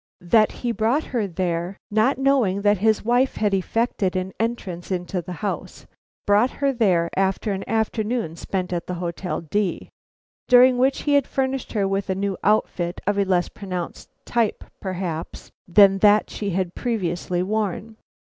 That he brought her there not knowing that his wife had effected an entrance into the house; brought her there after an afternoon spent at the Hotel D , during which he had furnished her with a new outfit of less pronounced type, perhaps, than that she had previously worn.